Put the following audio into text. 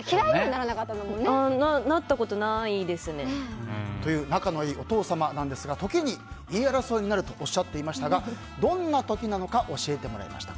なったことないですね。という仲のいいお父様なんですが時に言い争いになるとおっしゃっていましたがどんな時なのか教えてもらいました。